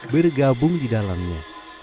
bergabung di dalamnya